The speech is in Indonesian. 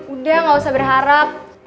udah ga usah berharap